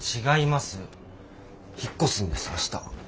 引っ越すんです明日。